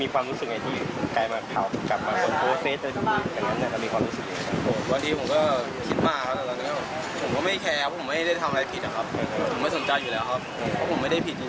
ผมไม่ได้ผิดจริง